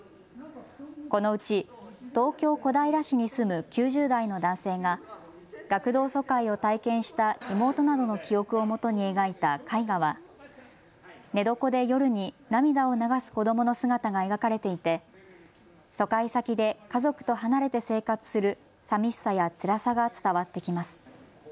このうち東京・小平市に住む９０代の男性が学童疎開を体験した妹などの記憶を基に描いた絵画は寝床で夜に涙を流す子どもの姿が描かれていて、疎開先で家族と離れて生活するさみしさやつらさが伝わってきます。